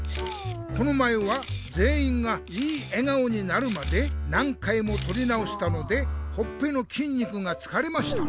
この前はぜんいんがいい笑顔になるまで何回もとり直したのでほっぺのきんにくがつかれました。